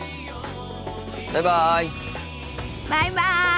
バイバイ。